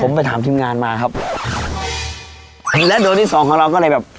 ผมไปถามทีมงานมาครับและโดยที่สองของเราก็เลยแบบ